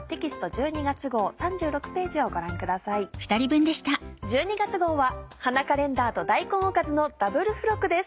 １２月号は「花カレンダー」と「大根おかず」のダブル付録です。